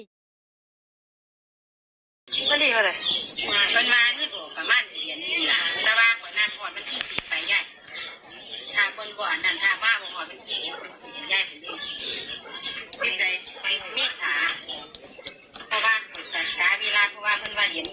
ว่าทนวานี่บอกว่ามันเหรียญนี่แหละแต่ว่าคนนั้นบอกว่ามันที่สิทธิ์ไปย่าย